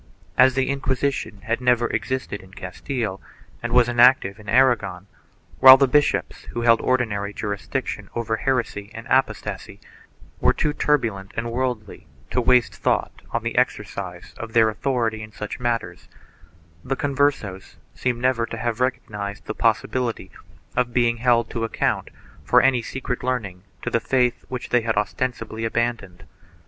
As the Inquisition had never existed in Castile and was inactive in Aragon, while the bishops, who held ordinary juris diction over heresy and apostasy, were too turbulent and worldly to waste thought on the exercise of their authority in such matters, the Converses seem never to have recognized the possibility of being held to account for any secret leaning to the faith which they had ostensibly abandoned.